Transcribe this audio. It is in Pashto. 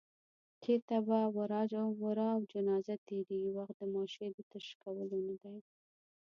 چېرته به ورا او جنازه تېرېږي، وخت د ماشې د تش کولو نه دی